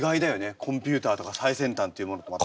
コンピューターとか最先端っていうものとまた。